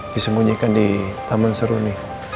disemunyikan di taman seruni